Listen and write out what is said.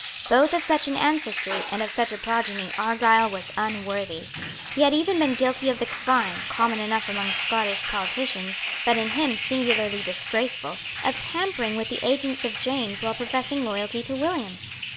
Both of such an ancestry and of such a progeny Argyle was unworthy. He had even been guilty of the crime, common enough among Scottish politicians, but in him singularly disgraceful, of tampering with the agents of James while professing loyalty to William.